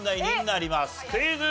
クイズ。